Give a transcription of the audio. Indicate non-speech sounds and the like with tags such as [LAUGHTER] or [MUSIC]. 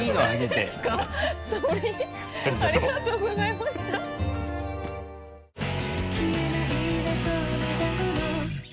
トリ？ありがとうございました [LAUGHS]